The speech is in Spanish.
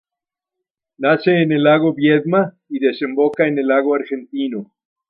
Nace en el lago Viedma y desemboca en el lago Argentino.